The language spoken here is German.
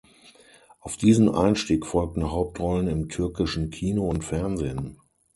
Auf diesen Einstieg folgten Hauptrollen im türkischen Kino und Fernsehen.